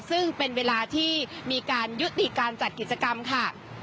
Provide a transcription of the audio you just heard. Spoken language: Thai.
ซึ่งเป็นเวลาที่มีการยุติการจัดกิจกรรมค่ะ